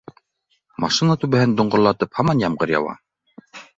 Машина түбәһен доңғорлатып һаман ямғыр яуа